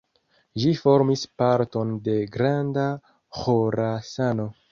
Ĝi formis parton de Granda Ĥorasano.